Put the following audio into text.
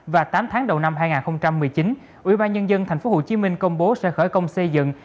và tám tháng đầu năm hai nghìn một mươi chín ubnd tp hcm công bố sẽ khởi công xây dựng